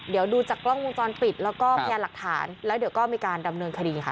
เดี๋ยวดูจากกล้องวงจรปิดแล้วก็พยานหลักฐานแล้วเดี๋ยวก็มีการดำเนินคดีค่ะ